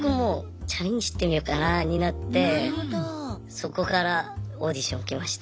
そこからオーディション受けました。